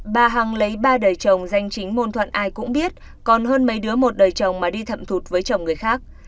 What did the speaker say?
bà hằng lấy ba đời chồng danh chính môn thuận ai cũng biết còn hơn mấy đứa một đời chồng mà đi thậm thụt với chồng người khác